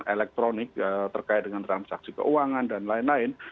elektronik terkait dengan transaksi keuangan dan lain lain